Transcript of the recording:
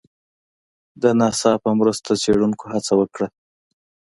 د ناسا په مرسته څېړنکو هڅه وکړه